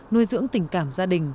nuôi dưỡng tình cảm gia đình